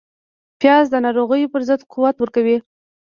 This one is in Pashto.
پیاز د ناروغیو پر ضد قوت ورکوي